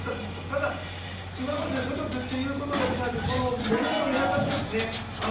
ただ、今まで努力ということだけじゃなくてこのものの値上がりですね。